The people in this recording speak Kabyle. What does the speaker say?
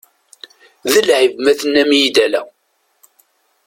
D lɛib ma tennam-iyi-d ala!